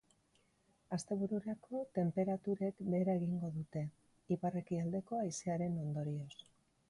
Astebururako, tenperaturek behera egingo dute, ipar-ekialdeko haizearen ondorioz.